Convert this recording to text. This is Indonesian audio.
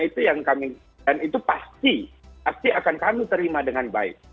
dan itu pasti akan kami terima dengan baik